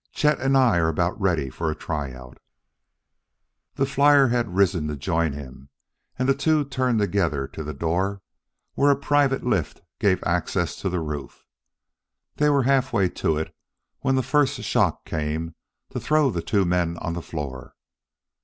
Chet and I are about ready for a try out." The flyer had risen to join him, and the two turned together to the door where a private lift gave access to the roof. They were halfway to it when the first shock came to throw the two men on the floor.